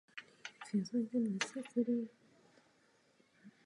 Po smrti Zikmunda Lucemburského podporoval kandidaturu jeho zetě Albrechta na český trůn.